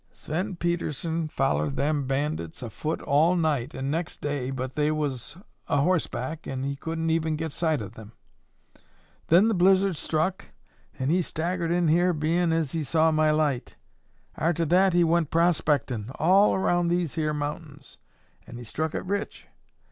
"Sven Pedersen follered them bandits afoot all night an' nex' day but they was a horseback an' he couldn't even get sight o' them. Then the blizzard struck an' he staggered in here, bein' as he saw my light. Arter that he went prospectin' all around these here mount'ins an' he struck it rich.